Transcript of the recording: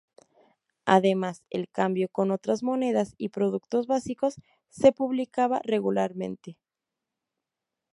Además, el cambio con otras monedas y productos básicos se publicaba regularmente.